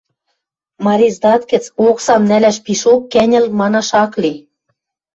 Мариздат гӹц оксам нӓлӓш пишок кӓньӹл, манаш ак ли.